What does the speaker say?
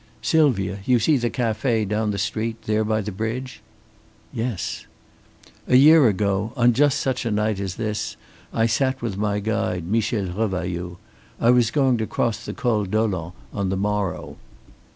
"Sylvia, you see the café down the street there by the bridge?" "Yes." "A year ago, on just such a night as this, I sat with my guide, Michel Revailloud. I was going to cross the Col Dolent on the morrow.